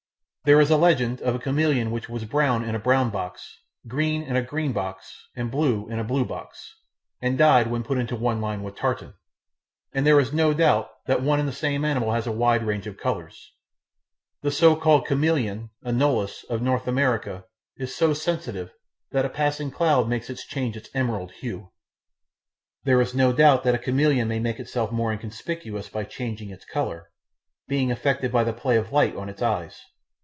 There is a legend of a chameleon which was brown in a brown box, green in a green box, and blue in a blue box, and died when put into one lined with tartan; and there is no doubt that one and the same animal has a wide range of colours. The so called "chameleon" (Anolis) of North America is so sensitive that a passing cloud makes it change its emerald hue. There is no doubt that a chameleon may make itself more inconspicuous by changing its colour, being affected by the play of light on its eyes.